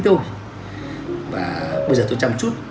tôi và bây giờ tôi chăm chút